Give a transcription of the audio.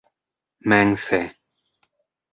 mense